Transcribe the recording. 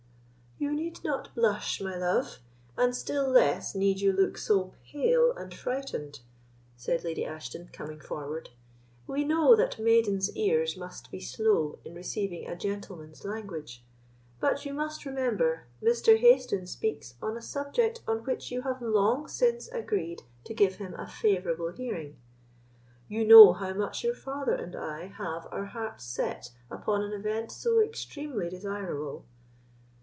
"You need not blush, my love, and still less need you look so pale and frightened," said Lady Ashton, coming forward; "we know that maiden's ears must be slow in receiving a gentleman's language; but you must remember Mr. Hayston speaks on a subject on which you have long since agreed to give him a favourable hearing. You know how much your father and I have our hearts set upon an event so extremely desirable."